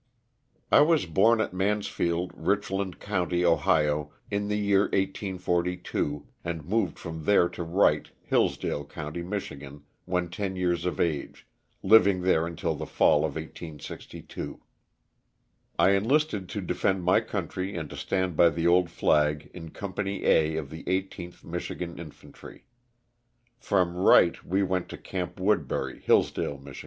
T WAS born at Mansfield, Richland county, Ohio, in the year 1843, and moved from there to Wright, Hillsdale county, Mich., when ten years of age, liv ing there until the fall of 1862. I enlisted to defend my country and to stand by the old ^lag in Company A of the 18th Michigan Infantry. From Wright we went to Gamp Woodbury, Hillsdale, Mich.